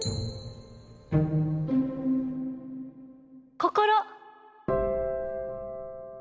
心。